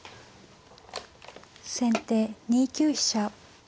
先手２九飛車。